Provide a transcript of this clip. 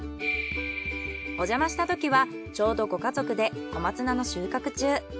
おじゃましたときはちょうどご家族で小松菜の収穫中。